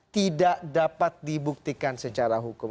tidak dapat dibuktikan secara hukum